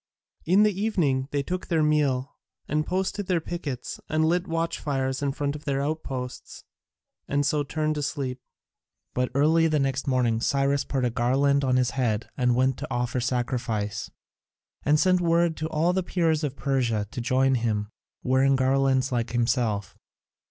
In the evening they took their meal, and posted their pickets and lit watch fires in front of their outposts, and so turned to sleep. But early the next morning Cyrus put a garland on his head and went out to offer sacrifice, and sent word to all the Peers of Persia to join him, wearing garlands like himself.